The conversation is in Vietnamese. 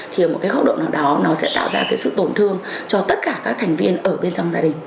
thì ở một cái góc độ nào đó nó sẽ tạo ra cái sự tổn thương cho tất cả các thành viên ở bên trong gia đình